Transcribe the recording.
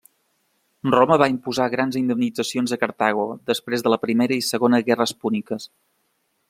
Roma va imposar grans indemnitzacions a Cartago després de la Primera i Segona Guerres Púniques.